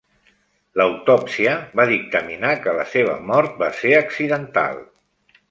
L'autòpsia va dictaminar que la seva mort va ser accidental.